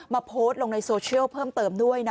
โพสต์ลงในโซเชียลเพิ่มเติมด้วยนะ